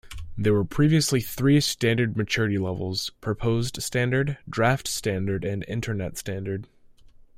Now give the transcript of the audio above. There were previously three standard maturity levels "Proposed Standard", "Draft Standard" and "Internet Standard".